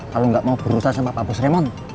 kalau gak mau berusaha sama pak bos raymond